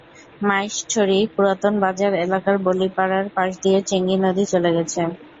মাইসছড়ি পুরাতন বাজার এলাকার বলিপাড়ার পাশ দিয়ে চেঙ্গি নদী চলে গেছে।